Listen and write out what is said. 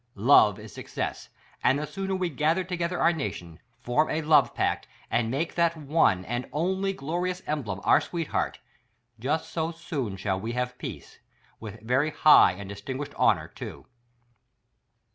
Love is success. And the sooner we gather together our nation, form a love pact, and make 'that one and only glorious emblem our sweetheart, just so soon shall we have peace — with very high and distinguished honor, too.